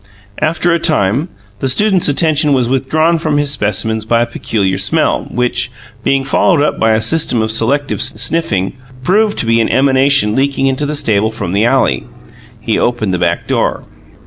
After a time, the student's attention was withdrawn from his specimens by a peculiar smell, which, being followed up by a system of selective sniffing, proved to be an emanation leaking into the stable from the alley. He opened the back door.